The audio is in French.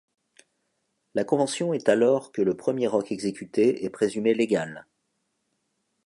La convention est alors que le premier roque exécuté est présumé légal.